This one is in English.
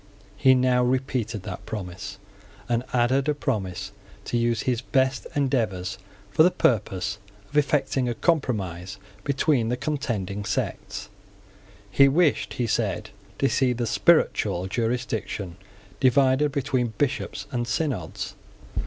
He now repeated that promise, and added a promise to use his best endeavours for the purpose of effecting a compromise between the contending sects. He wished, he said, to see the spiritual jurisdiction divided between bishops and synods.